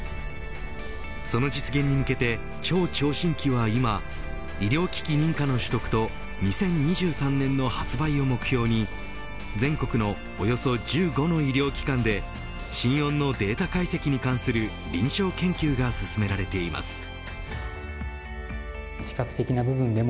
その実現に向けて超聴診器は今医療機器認可の取得と２０２３年の発売を目標に全国のおよそ１５の医療機関で心音のデータ解析に関する臨床研究が進められています。